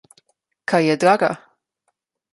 Kaj je draga?